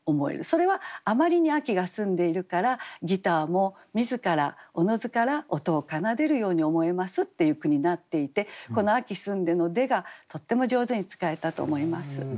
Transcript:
それはあまりに秋が澄んでいるからギターも自らおのずから音を奏でるように思えますっていう句になっていてこの「秋澄んで」の「で」がとっても上手に使えたと思います。